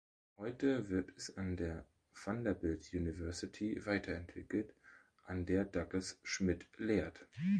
Heute wird es an der Vanderbilt University weiterentwickelt, an der Douglas Schmidt lehrt.